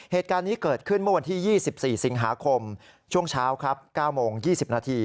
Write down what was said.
เหตุการณ์นี้เกิดขึ้นเมื่อวันที่๒๔สิงหาคมช่วงเช้าครับ๙โมง๒๐นาที